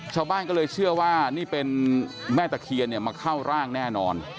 ชาวบ้านก็เลยเชื่อว่านี่เป็นแม่ตะเคียนเนี่ยมาเข้าร่างแน่นอน